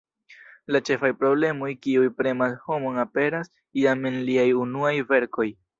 La ĉefaj problemoj kiuj premas homon aperas jam en liaj unuaj verkoj.